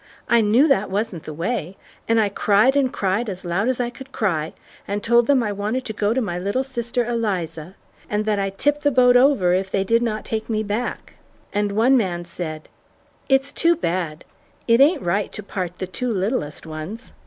I knew that wasn't the way, and I cried and cried as loud as I could cry, and told them I wanted to go to my little sister Eliza, and that I'd tip the boat over if they did not take me back; and one man said, 'It's too bad! It ain't right to part the two littlest ones.'